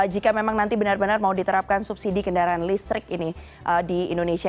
jika memang nanti benar benar mau diterapkan subsidi kendaraan listrik ini di indonesia